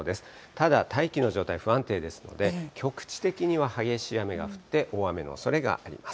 ただ、大気の状態不安定ですので、局地的には激しい雨が降って、大雨のおそれがあります。